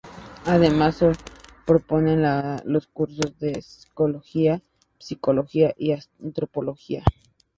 Además, se proponen los cursos de Sociología, Psicología y Antropología.